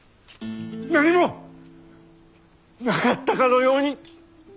何もなかったかのように！